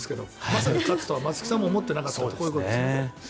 まさか勝つとは松木さんも思っていなかったということですね。